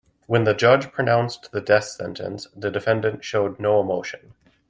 When the judge pronounced the death sentence, the defendant showed no emotion.